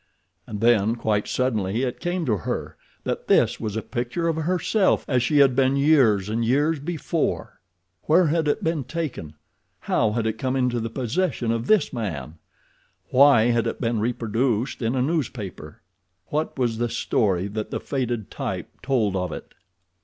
And then, quite suddenly, it came to her that this was a picture of herself as she had been years and years before. Where had it been taken? How had it come into the possession of this man? Why had it been reproduced in a newspaper? What was the story that the faded type told of it?